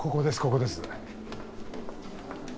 ここです